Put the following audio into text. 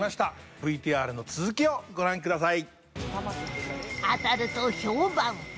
ＶＴＲの続きをご覧ください。